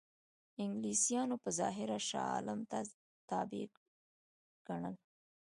انګلیسانو په ظاهره شاه عالم ته تابع ګڼل.